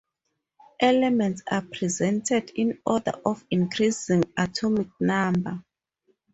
Elements are presented in order of increasing atomic number.